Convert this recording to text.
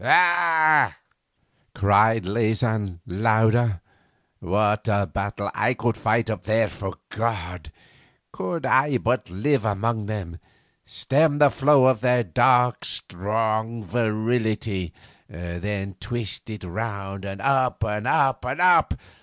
'Ah!' cried Leysin louder, 'what a battle I could fight up there for God, could I but live among them, stem the flow of their dark strong vitality, then twist it round and up, up, up!